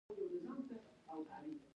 ستاسو د ځای پته راته ولېږه